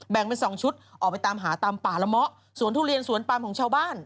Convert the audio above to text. เป็นสองชุดออกไปตามหาตามป่าละเมาะสวนทุเรียนสวนปามของชาวบ้าน